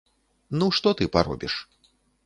Ну што ты паробіш.